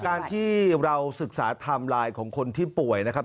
การที่เราศึกษาไทม์ไลน์ของคนที่ป่วยนะครับ